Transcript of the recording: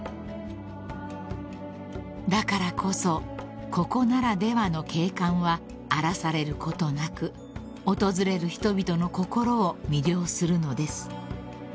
［だからこそここならではの景観は荒らされることなく訪れる人々の心を魅了するのです］